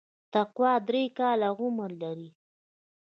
تقوا درې کاله عمر لري.